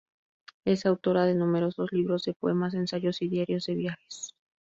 Es autora de numerosos libros de poemas, ensayos y diarios de viajes.